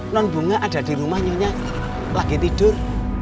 non bunga ada di rumahnya lagi tidur